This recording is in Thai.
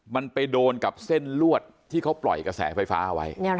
มันไปโดนกับเส้นลวดที่เขาปล่อยกระแสไฟฟ้าไว้